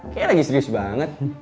kayaknya lagi serius banget